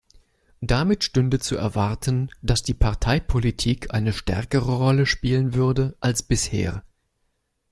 Damit stünde zu erwarten, dass die Parteipolitik eine stärkere Rolle spielen würde als bisher.